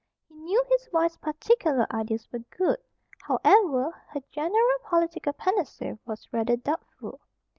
He knew his wife's particular ideas were good, however, her general political panacea was rather doubtful.